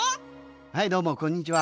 はいどうもこんにちは。